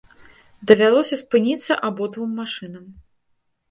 Давялося спыніцца абодвум машынам.